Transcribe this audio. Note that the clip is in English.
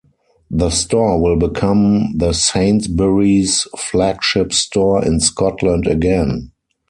The store will become the Sainsbury's flagship store in Scotland again.